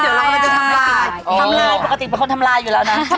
ทำลายปกติมันคนทำลายอยู่แล้วน่ะ